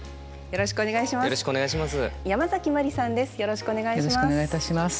よろしくお願いします。